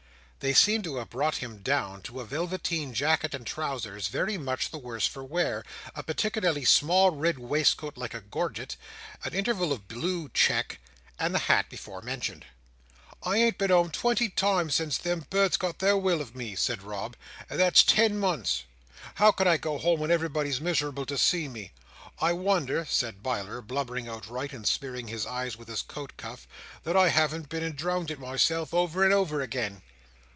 They seemed to have brought him down to a velveteen jacket and trousers very much the worse for wear, a particularly small red waistcoat like a gorget, an interval of blue check, and the hat before mentioned. "I ain't been home twenty times since them birds got their will of me," said Rob, "and that's ten months. How can I go home when everybody's miserable to see me! I wonder," said Biler, blubbering outright, and smearing his eyes with his coat cuff, "that I haven't been and drownded myself over and over again."